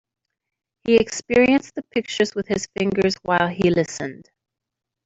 He experienced the pictures with his fingers while he listened.